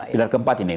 pilar keempat ini pak